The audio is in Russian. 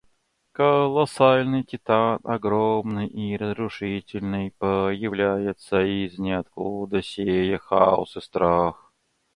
Колоссальный титан, огромный и разрушительный, появляется из ниоткуда, сея хаос и страх.